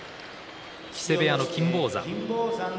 木瀬部屋の金峰山。